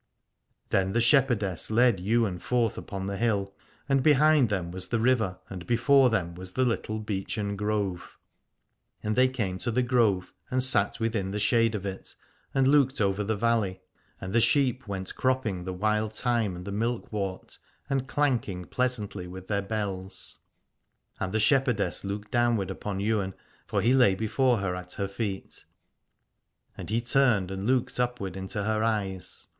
Then the shepherdess led Ywain forth upon the hill, and behind them was the river and before them was the little beechen grove. And they came to the grove and sat within the shade of it and looked over the valley : and the sheep went cropping the wild thyme and the milkwort, and clanking pleasantly with their bells. And the shepherdess looked downward upon Ywain, for he lay before her at her feet : and he turned and looked upward into her eyes.